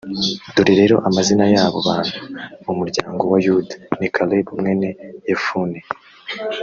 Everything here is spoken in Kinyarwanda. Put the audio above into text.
dore rero amazina y’abo bantu: mu muryango wa yuda ni kalebu mwene yefune.